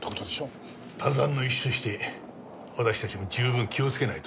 他山の石として私たちも十分気をつけないとな。